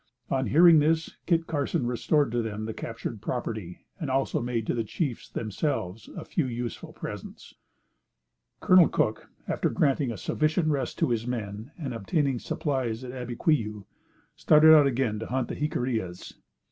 On hearing this, Kit Carson restored to them the captured property, and also made to the chiefs themselves a few useful presents. Col. Cook, after granting a sufficient rest to his men, and after obtaining supplies at Abiquiu, started out again to hunt the Jiccarillas.